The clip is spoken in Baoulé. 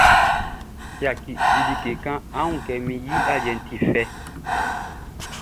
Yaki, di like kan; á wún kɛ min yiʼn i aliɛʼn ti fɛ.